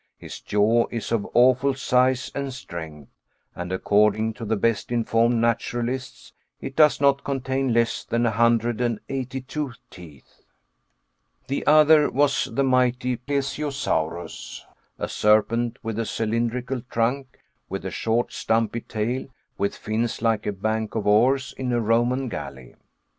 His jaw is of awful size and strength, and according to the best informed naturalists, it does not contain less than a hundred and eighty two teeth. The other was the mighty Plesiosaurus, a serpent with a cylindrical trunk, with a short stumpy tail, with fins like a bank of oars in a Roman galley.